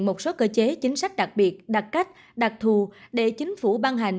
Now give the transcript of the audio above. một số cơ chế chính sách đặc biệt đặt cách đặc thù để chính phủ ban hành